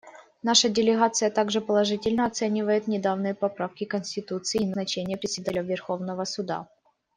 Наша делегация также положительно оценивает недавние поправки к Конституции и назначение Председателя Верховного суда.